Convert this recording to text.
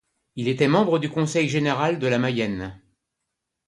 Il était membre du conseil général de la Mayenne.